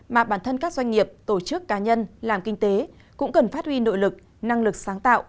mà bản thân các doanh nghiệp tổ chức cá nhân làm kinh tế cũng cần phát huy nội lực năng lực sáng tạo